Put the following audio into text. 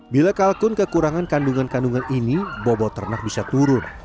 bila kalkun kekurangan kandungan kandungan ini bobot ternak bisa turun